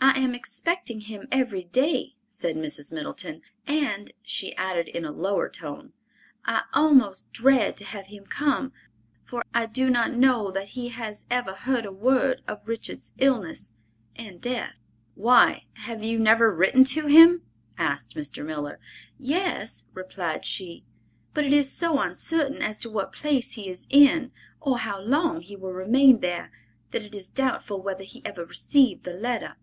"I am expecting him every day," said Mrs. Middleton, "and," she added in a lower tone, "I almost dread to have him come, for I do not know that he has ever heard a word of Richard's illness and death." "Why, have you never written to him?" asked Mr. Miller. "Yes," replied she; "but it is so uncertain as to what place he is in, or how long he will remain there, that it is doubtful whether he ever received the letter.